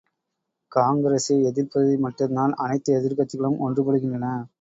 காங்கிரசை எதிர்ப்பதில் மட்டும் தான் அனைத்து எதிர்க்கட்சிகளும் ஒன்றுபடுகின்றன!